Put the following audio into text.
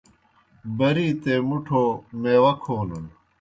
بَرِیتے مُٹھو میواہ کھونَن۔